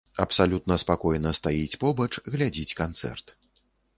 Абсалютна спакойна стаіць побач, глядзіць канцэрт.